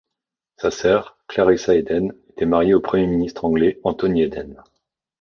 Sa sœur, Clarissa Eden, était mariée au premier ministre anglais Anthony Eden.